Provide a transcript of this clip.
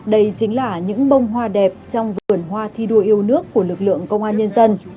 đây chính là những bông hoa đẹp trong vườn hoa thi đua yêu nước của lực lượng công an nhân dân